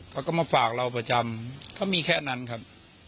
เขาก็มาฝากเราประจำก็มีแค่นั้นครับ